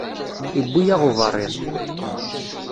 Iwwi-yaɣ uberriḍ.